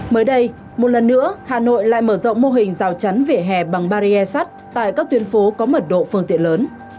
mới đây một lần nữa hà nội lại mở rộng mô hình rào chắn vỉa hè bằng barrier sắt tại các tuyến phố có mật độ phương tiện lớn